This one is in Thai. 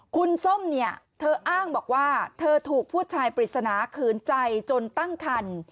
คุณส้มเนี่ยเธออ้างบอกว่าเธอถูกผู้ชายปริศนาขืนใจจนตั้งคัน